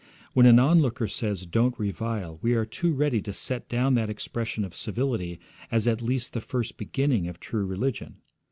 When an onlooker says 'Don't revile,' we are too ready to set down that expression of civility as at least the first beginning of true religion.